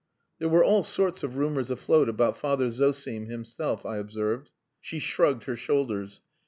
"There were all sorts of rumours afloat about Father Zosim himself," I observed. She shrugged her shoulders.